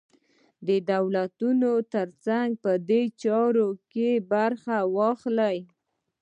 د دولتونو تر څنګ په دې چاره کې برخه واخلي.